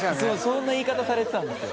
そんな言い方されてたんですよ。